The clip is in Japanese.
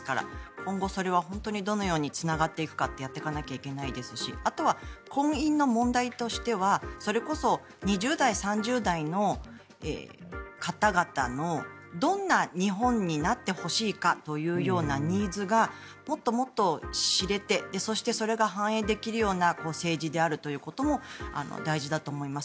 今後、それはどのようにつながっていくかってやっていかないといけないですしあとは婚姻の問題としてはそれこそ２０代、３０代の方々のどんな日本になってほしいかというようなニーズがもっと知れてそしてそれが反映できるような政治であるということも大事だと思います。